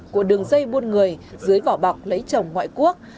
của đường dây buôn người dưới vỏ bọc lấy chồng ngoại quốc